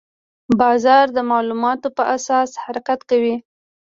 بازار د معلوماتو په اساس حرکت کوي.